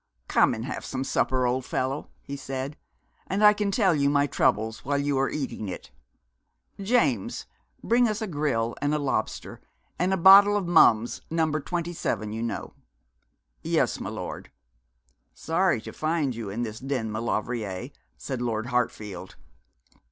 'Come and have some supper, old fellow,' he said, 'and I can tell you my troubles while you are eating it. James, bring us a grill, and a lobster, and a bottle of Mumms, number 27, you know.' 'Yes, my lord.' 'Sorry to find you in this den, Maulevrier,' said Lord Hartfield.